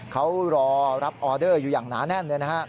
เขารอรับออเดอร์อยู่อย่างหนาแน่นเลยนะฮะ